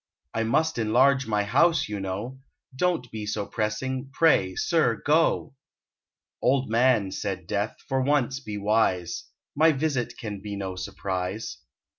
I must enlarge my house, you know. Don't be so pressing, pray, sir, go." "Old man," said Death, "for once be wise; My visit can be no surprise.